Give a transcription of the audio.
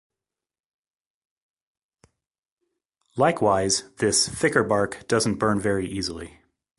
Likewise, this thicker bark doesn't burn very easily.